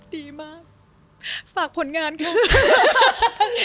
ดีมากฝากผลงานค่ะ